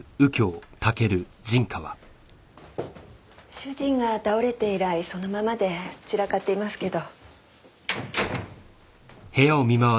主人が倒れて以来そのままで散らかっていますけど。